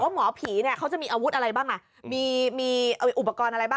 หมอผีเนี่ยเขาจะมีอาวุธอะไรบ้างอ่ะมีอุปกรณ์อะไรบ้าง